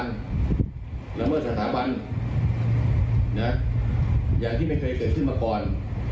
ละเมิดสถาบันนะอย่างที่ไม่เคยเกิดขึ้นมาก่อน